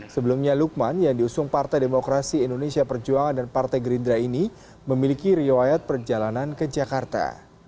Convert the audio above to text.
sebelumnya lukman yang diusung partai demokrasi indonesia perjuangan dan partai gerindra ini memiliki riwayat perjalanan ke jakarta